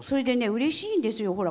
ほら、うれしいんですよ。